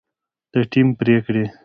د ټیم پرېکړې